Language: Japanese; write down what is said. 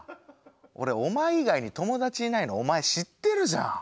俺お前以外に友達いないのお前知ってるじゃん。